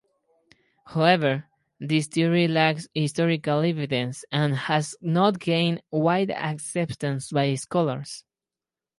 However, this theory lacks historical evidence and has not gained wide acceptance by scholars.